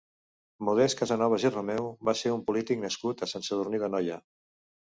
Modest Casanovas i Romeu va ser un polític nascut a Sant Sadurní d'Anoia.